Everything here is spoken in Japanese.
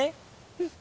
うん。